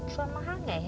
suamah enggak ya